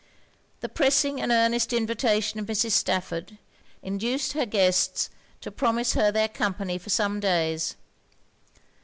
The pressing and earnest invitation of Mrs. Stafford, induced her guests to promise her their company for some days.